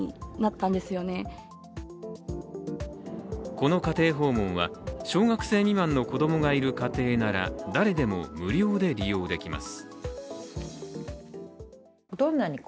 この家庭訪問は小学生未満の子供がいる家庭なら誰でも無料で利用できます。